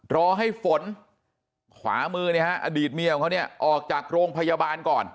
รอให้ฝนขวามืออดีตเมียของเขาเนี่ยออกจากโรงพยาบาลก่อน